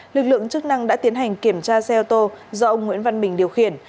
lực lượng chức năng đã tiến hành kiểm tra xe ô tô do ông nguyễn văn bình điều khiển